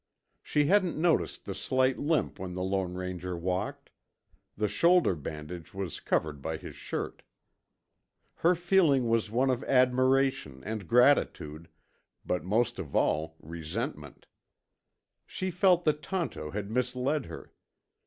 She hadn't noticed the slight limp when the Lone Ranger walked; the shoulder bandage was covered by his shirt. Her feeling was one of admiration and gratitude, but most of all resentment. She felt that Tonto had misled her.